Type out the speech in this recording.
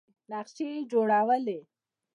نقشې یې جوړولې.